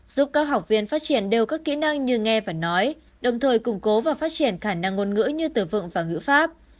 giúp các học viên phát triển đều các kỹ năng như nghe và nói đồng thời củng cố và phát triển khả năng ngôn ngữ như tử vọng và ngữ pháp